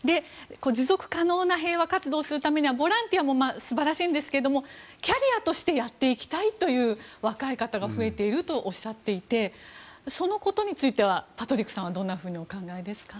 持続可能な平和活動をするためにはボランティアも素晴らしいんですがキャリアとしてやっていきたいという若い方が増えているとおっしゃっていてそのことについてはパトリックさんはどんなふうにお考えですか。